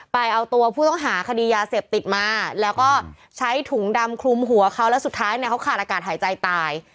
ไปเอาตัวผู้ต้องหาคดียาเสพติดมาแล้วก็ใช้ถุงดำคลุมหัวเขาแล้วสุดท้ายเนี่ยเขาขาดอากาศหายใจตาย